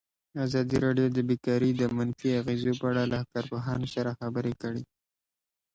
ازادي راډیو د بیکاري د منفي اغېزو په اړه له کارپوهانو سره خبرې کړي.